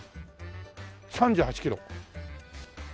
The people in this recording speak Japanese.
３８キロ。